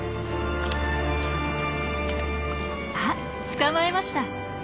あ捕まえました。